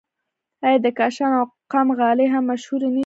آیا د کاشان او قم غالۍ هم مشهورې نه دي؟